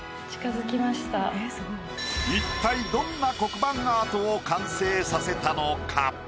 一体どんな黒板アートを完成させたのか？